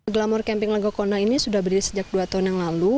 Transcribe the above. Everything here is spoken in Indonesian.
glamour camping legokona ini sudah berdiri sejak dua tahun yang lalu